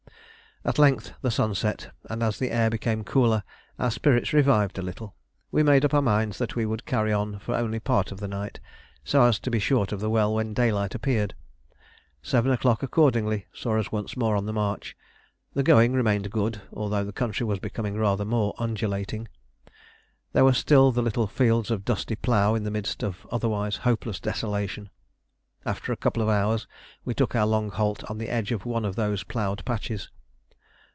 At length the sun set, and as the air became cooler our spirits revived a little. We made up our minds that we would carry on for only part of the night, so as to be short of the well when daylight appeared. 7 o'clock accordingly saw us once more on the march; the going remained good, although the country was becoming rather more undulating. There were still the little fields of dusty plough in the midst of otherwise hopeless desolation. After a couple of hours we took our long halt on the edge of one of those ploughed patches.